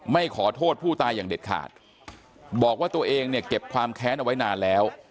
ไม่ขอโทษผู้ตายอย่างเด็ดขาดบอกว่าตัวเองเนี่ยเก็บความแค้นเอาไว้นานแล้ว